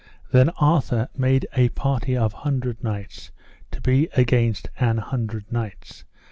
Then Arthur made a party of hundred knights to be against an hundred knights.